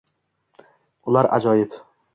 Ular ajoyib.